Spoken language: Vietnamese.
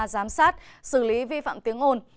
giám sát xử lý vi phạm tiếng ổn